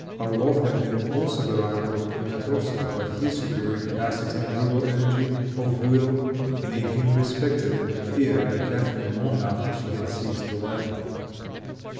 Orloff had been also the rival of Poniatowski, but his superior capacity and brutal energy of will made him respected and feared by Catharine long after she had ceased to like him.